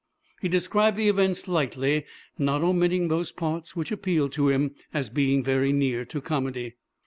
He described the events lightly, not omitting those parts which appealed to him as being very near to comedy.